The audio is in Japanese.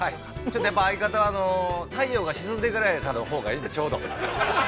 相方は、太陽が沈んでからのほうがいいんで、ちょうど。